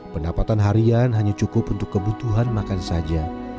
pendapatan harian hanya cukup untuk kebutuhan makan saja